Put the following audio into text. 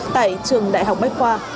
tại trường đại học bách khoa